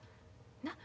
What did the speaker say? なっ？